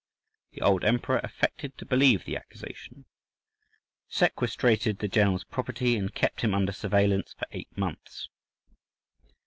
The old emperor affected to believe the accusation, sequestrated the general's property, and kept him under surveillance for eight months.